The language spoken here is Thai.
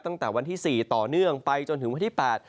ตั้งแต่วันที่๔ต่อเนื่องไปจนถึงวันที่๘